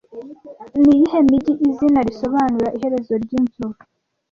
Niyihe mijyi izina risobanura Iherezo ryinzovu